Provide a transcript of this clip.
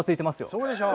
そうでしょ。